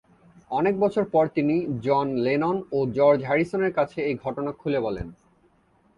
অনেক বছর পর তিনি জন লেনন ও জর্জ হ্যারিসনের কাছে এই ঘটনা খুলে বলেন।